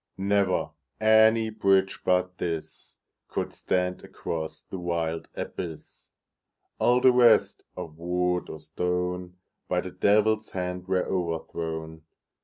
Never any bridge but thisCould stand across the wild abyss; All the rest, of wood or stone, By the Devil's hand were overthrown.